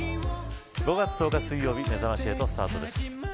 ５月１０日水曜日めざまし８スタートです。